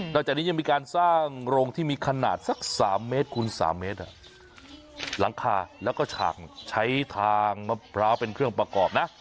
จากนี้ยังมีการสร้างโรงที่มีขนาดสัก๓เมตรคูณ๓เมตรหลังคาแล้วก็ฉากใช้ทางมะพร้าวเป็นเครื่องประกอบนะ